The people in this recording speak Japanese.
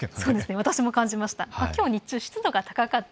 私も感じました。